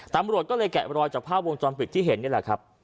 ตำรวจก็เลยแกะรอยจากภาพวงจรปิดที่เห็นนี่แหละครับ